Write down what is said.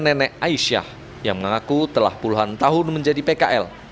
nenek aisyah yang mengaku telah puluhan tahun menjadi pkl